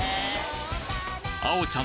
あおちゃん